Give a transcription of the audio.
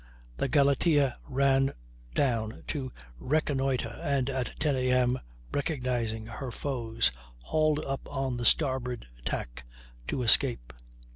The Galatea ran down to reconnoitre, and at 10 A. M., recognizing her foes, hauled up on the starboard tack to escape.